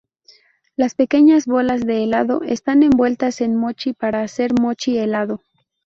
Las pequeñas bolas de helado están envueltas en mochi para hacer mochi helado.